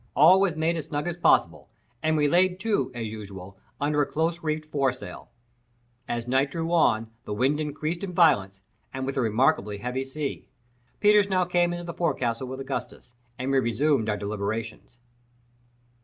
All was made as snug as possible, and we laid to, as usual, under a close reefed foresail. As night drew on, the wind increased in violence, with a remarkably heavy sea. Peters now came into the forecastle with Augustus, and we resumed our deliberations.